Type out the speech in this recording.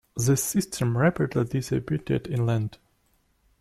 The system rapidly dissipated inland.